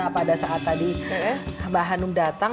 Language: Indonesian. pada saat tadi mbak hanum datang